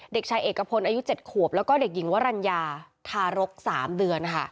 เด็กชายเอกพลอายุ๗ขวบแล้วก็เด็กหญิงวรรณญาทารก๓เดือนค่ะ